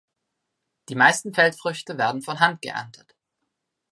Die meisten Feldfrüchte werden von Hand geerntet.